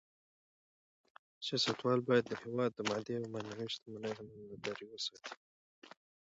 سیاستوال باید د هېواد د مادي او معنوي شتمنیو امانتدار اوسي.